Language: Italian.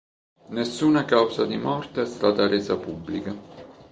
Nessuna causa di morte è stata resa pubblica.